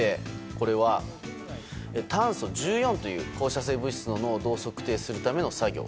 これは炭素１４という放射性物質の濃度を測定するための作業。